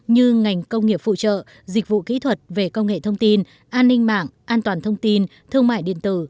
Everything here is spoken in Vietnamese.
như ngành công nghiệp phụ trợ dịch vụ kỹ thuật về công nghệ thông tin an ninh mạng an toàn thông tin thương mại điện tử